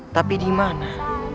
tapi di mana